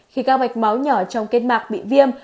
khi các mạch máu nhỏ trong kết mạc bị viêm